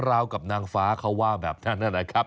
ราวกับนางฟ้าเขาว่าแบบนั้นนะครับ